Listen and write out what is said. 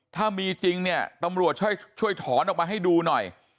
ถ้ามีจริงเนี่ยตำรวจช่วยถอนออกมาให้ดูหน่อย